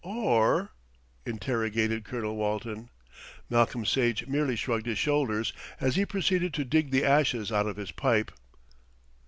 "Or ?" interrogated Colonel Walton. Malcolm Sage merely shrugged his shoulders as he proceeded to dig the ashes out of his pipe.